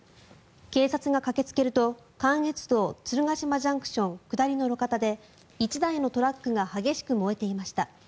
警察が駆けつけると関越道鶴ヶ島ＪＣＴ下りの路肩で１台のトラックが激しく燃えていました。